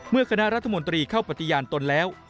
คณะรัฐมนตรีเข้าปฏิญาณตนแล้ว